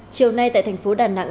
chiều nay tại thành phố đà nẵng